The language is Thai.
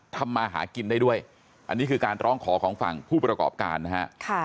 ทำมาหากินได้ด้วยอันนี้คือการร้องขอของฝั่งผู้ประกอบการนะฮะ